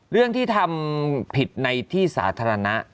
เรื่องที่ทำผิดในที่สาธารณะ